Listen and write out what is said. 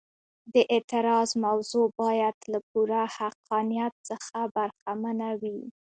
د اعتراض موضوع باید له پوره حقانیت څخه برخمنه وي.